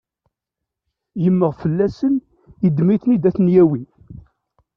Yemmeɣ fell-asen yeddem-iten-id ad ten-yawi.